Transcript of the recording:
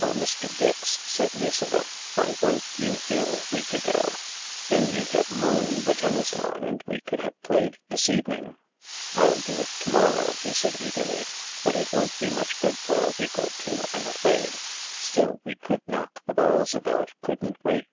"Oh, Mr. Dix," said Lucilla, "why weren't you here a week ago ? Then you'd have mown the tennis lawn and we could have played this evening." " 111 do it to morrow," he said eagerly, " but it won't be much good for a week or two, I'm afraid. Still, we could knock the balls about, couldn't we